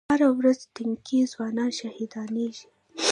هره ورځ تنکي ځوانان شهیدانېږي